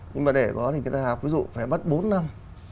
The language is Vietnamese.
nhưng mà để có thì người ta học ví dụ phải bắt bốn năm